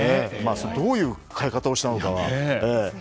どういう変え方をしたのか。